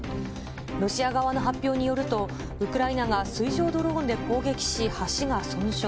ロシア側の発表によると、ウクライナが水上ドローンで攻撃し、橋が損傷。